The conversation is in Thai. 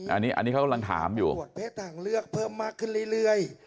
อันนี้เขากำลังถามอยู่